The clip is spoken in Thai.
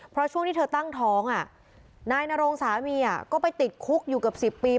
เพราะช่วงที่เธอตั้งท้องนายนรงสามีก็ไปติดคุกอยู่เกือบ๑๐ปี